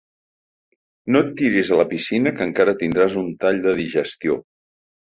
No et tiris a la piscina que encara tindràs un tall de digestió.